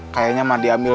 kayaknya mah diambil